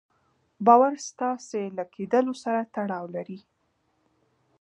باور ستاسې له ليدلوري سره تړاو لري.